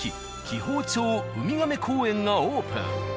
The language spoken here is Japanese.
紀宝町ウミガメ公園がオープン。